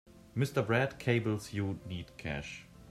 Mr. Brad cables you need cash.